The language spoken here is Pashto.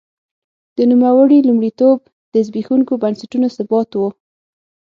د نوموړي لومړیتوب د زبېښونکو بنسټونو ثبات و.